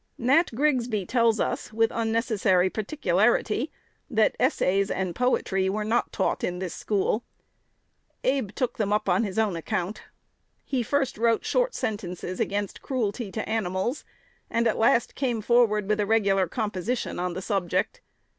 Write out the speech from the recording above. Nat Grigsby tells us, with unnecessary particularity, that "essays and poetry were not taught in this school." "Abe took it (them) up on his own account." He first wrote short sentences against "cruelty to animals," and at last came forward with a regular "composition" on the subject.